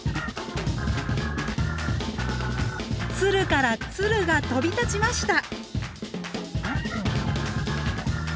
鶴から鶴が飛び立ちました！